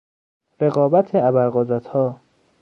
رقابت ابر قدرتها